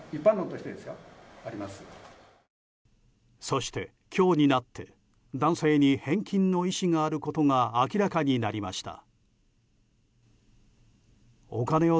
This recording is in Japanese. そして今日になって男性に返金の意思があることが明らかになりました。